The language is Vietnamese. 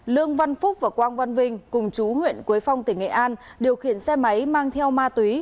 lương văn phúc và quang văn vinh cùng chú huyện quế phong tỉnh nghệ an điều khiển xe máy mang theo ma túy